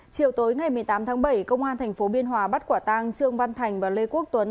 chiều tối ngày một mươi tám tháng bảy công an tp biên hòa bắt quả tang trương văn thành và lê quốc tuấn